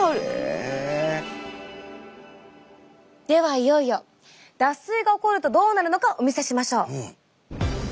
いよいよ脱水が起こるとどうなるのかお見せしましょう。